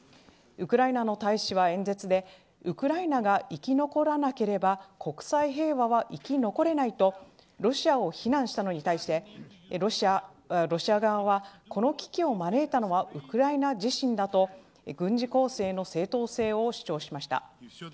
ウクライナの大使は演説でウクライナが生き残らなければ国際平和は生き残れないとロシアを非難したのに対してロシア側はこの危機を招いたのはウクライナ自身だと軍事攻勢の正当性を主張しました。